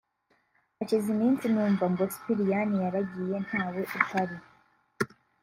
hashize iminsi numva ngo Sipiriyani yaragiye ntawe uhari